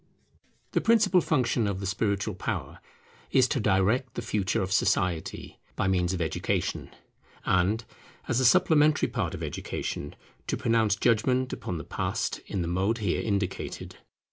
The principal function of the spiritual power is to direct the future of society by means of education; and, as a supplementary part of education, to pronounce judgment upon the past in the mode here indicated.